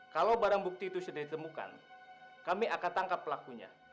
kalau barang bukti itu sudah ditemukan kami akan tangkap pelakunya